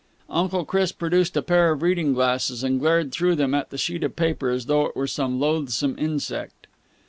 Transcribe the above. Uncle Chris produced a pair of reading glasses, and glared through them at the sheet of paper as though it were some loathsome insect.